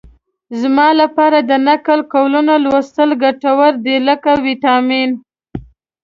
زما لپاره د نقل قولونو لوستل ګټور دي لکه ویټامین.